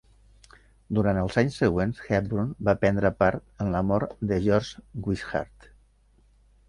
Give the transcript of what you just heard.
Durant els anys següents, Hepburn va prendre part en la mort de George Wishart.